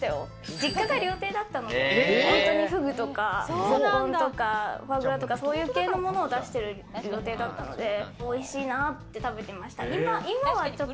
実家が料亭だったので、フグとかスッポンとかフォアグラとか、そういう形のものだしてる料亭だったので、おいしいなって食べてました。